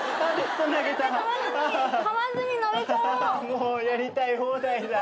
もうやりたい放題だ。